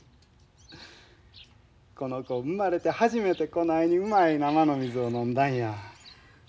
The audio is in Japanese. この子生まれて初めてこないにうまい生の水を飲んだんや。